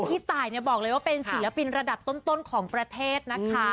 พี่ตายบอกเลยว่าเป็นศิลปินระดับต้นของประเทศนะคะ